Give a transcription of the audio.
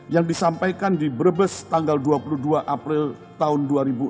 yang disampaikan di brebes tanggal dua puluh dua april tahun dua ribu enam belas